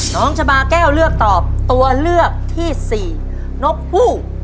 น้องชะบาแก้วเลือกตอบตัวเลือกที่สี่นกผู้